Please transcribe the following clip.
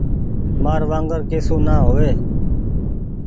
مآر وانگر ڪي سون ني هووي۔